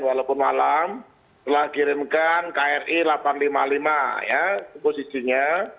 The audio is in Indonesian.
walaupun malam telah kirimkan kri delapan ratus lima puluh lima ya posisinya